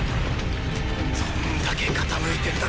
どんだけ傾いてんだ！